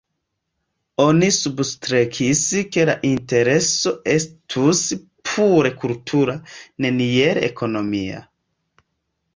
Oni substrekis ke la intereso estus pure kultura, neniel ekonomia.